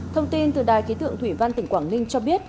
thông tin từ đài ký tượng thủy văn tỉnh quảng ninh cho biết